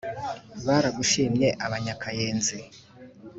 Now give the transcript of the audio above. baragushimye abanyakayenzi.